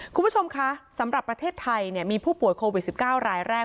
คุณผู้ชมคะสำหรับประเทศไทยมีผู้ป่วยโควิด๑๙รายแรก